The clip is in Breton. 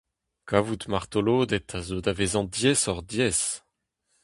Kavout martoloded a zeu da vezañ diaesoc'h-diaes.